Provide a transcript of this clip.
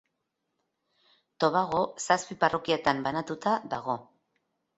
Tobago zazpi parrokiatan banatuta dago.